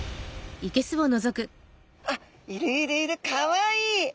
あいるいるいるかわいい。